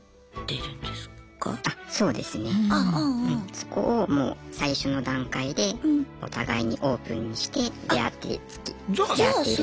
そこをもう最初の段階でお互いにオープンにして出会ってつきあっているので。